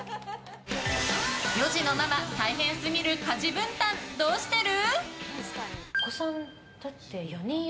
４児のママ大変すぎる家事分担どうしてる？